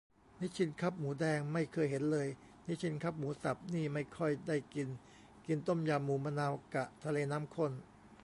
นิชชินคัพหมูแดงไม่เคยเห็นเลย นิชชินคัพหมูสับนี่ไม่ค่อยได้กิน กินต้มยำ หมูมะนาว กะ ทะเลน้ำข้น